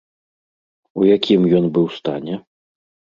У якім ён быў стане?